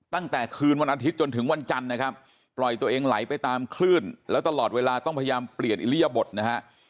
ตั้งแต่คืนวันอาทิตย์จนถึงวันจันทร์นะครับปล่อยตัวเองไหลไปตามคลื่นแล้วตลอดเวลาต้องพยายามเปลี่ยนอิริยบทนะฮะ